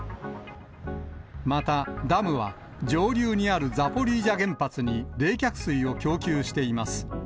また、ダムは上流にあるザポリージャ原発に冷却水を供給しています。